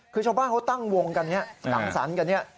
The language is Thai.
คือชาวบ้านเขาตั้งวงกันเนี่ยสังสรรค์กันเนี่ย